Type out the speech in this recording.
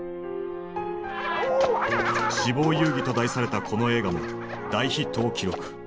「死亡遊戯」と題されたこの映画も大ヒットを記録。